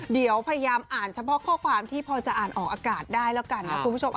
เดี๋ยวพยายามอ่านเฉพาะข้อความที่พอจะอ่านออกอากาศได้แล้วกันนะคุณผู้ชม